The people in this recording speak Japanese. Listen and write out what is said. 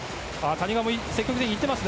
谷川も積極的にいっています。